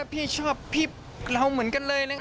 พี่ชอบพี่เราเหมือนกันเลย